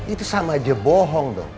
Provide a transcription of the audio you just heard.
itu sama aja bohong dong